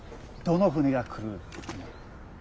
どの舟が来る？